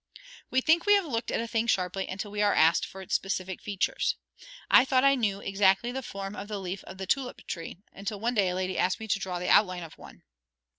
We think we have looked at a thing sharply until we are asked for its specific features. I thought I knew exactly the form of the leaf of the tulip tree, until one day a lady asked me to draw the outline of one.